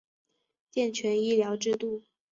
健全医疗制度